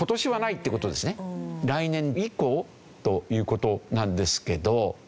来年以降という事なんですけど。